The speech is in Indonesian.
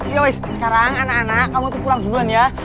yowes sekarang anak anak kamu tuh pulang duluan ya